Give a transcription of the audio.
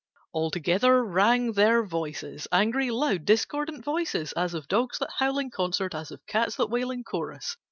All together rang their voices, Angry, loud, discordant voices, As of dogs that howl in concert, As of cats that wail in chorus.